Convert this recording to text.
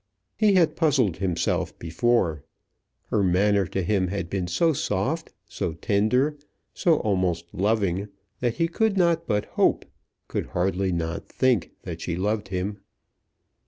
He had puzzled himself before. Her manner to him had been so soft, so tender, so almost loving, that he could not but hope, could hardly not think, that she loved him.